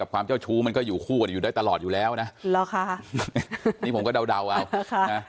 ความเจ้าชู้มันก็อยู่คู่กันอยู่ได้ตลอดอยู่แล้วนะนี่ผมก็เดาเอานะคะ